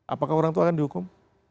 apakah orang tua akan dihukum